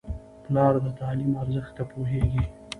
پلار د تعلیم ارزښت ته پوهېږي.